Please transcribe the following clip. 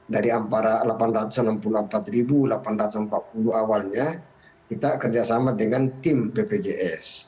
dari antara delapan ratus enam puluh empat delapan ratus empat puluh awalnya kita kerjasama dengan tim bpjs